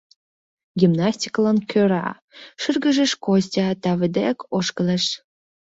— Гимнастикылан кӧра, — шыргыжеш Костя, таве дек ошкылеш.